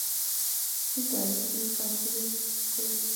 mi toritye kosobukwet